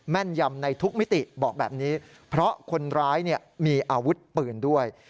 นยำในทุกมิติบอกแบบนี้เพราะคนร้ายมีอาวุธปืนด้วย